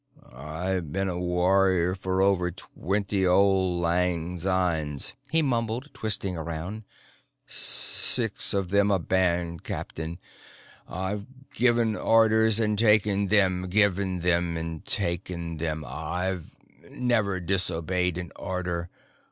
"I've been a warrior for over twenty auld lang synes," he mumbled, twisting around. "Six of them a band captain. I've given orders and taken them, given them and taken them. I've never disobeyed an order.